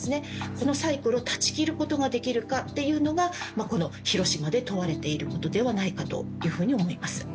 このサイクルを断ち切ることができるかがこの広島で問われていることではないかというふうに思います。